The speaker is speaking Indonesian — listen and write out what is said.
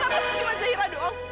kenapa sih cuma zaira doang